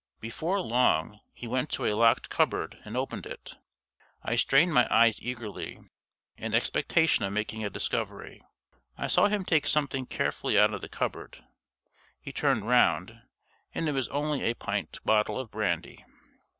Before long he went to a locked cupboard and opened it. I strained my eyes eagerly, in expectation of making a discovery. I saw him take something carefully out of the cupboard he turned round and it was only a pint bottle of brandy!